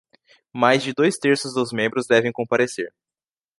Mais de dois terços dos membros devem comparecer